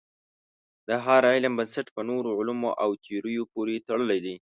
د هر علم بنسټ په نورو علومو او تیوریو پورې تړلی دی.